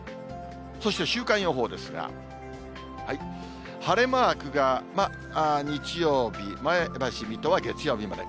そして週間予報ですが、晴れマークがまあ、日曜日、前橋、水戸は月曜日まで。